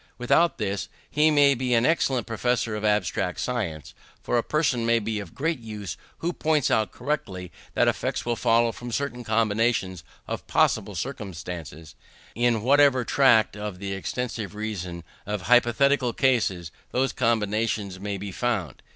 Without this, he may be an excellent professor of abstract science; for a person may be of great use who points out correctly what effects will follow from certain combinations of possible circumstances, in whatever tract of the extensive region of hypothetical cases those combinations may be found.